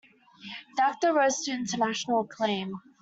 The actor rose to international acclaim.